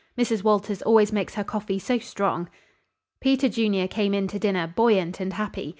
Mrs. Walters always makes her coffee so strong." Peter Junior came in to dinner, buoyant and happy.